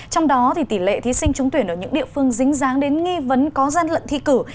trong đó tỷ lệ thí sinh trúng tuyển ở những địa phương dính dáng đến nghi vấn có gian lận thi cử